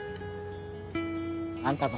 あんたも。